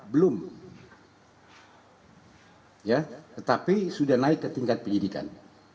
belum tetapi sudah naik ke tingkat penyidikan